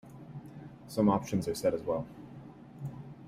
Some options are set as well.